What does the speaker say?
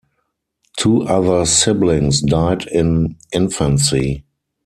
Two other siblings died in infancy.